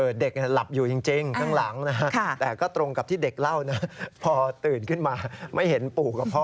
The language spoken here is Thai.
เด็กหลับอยู่จริงข้างหลังนะฮะแต่ก็ตรงกับที่เด็กเล่านะพอตื่นขึ้นมาไม่เห็นปู่กับพ่อ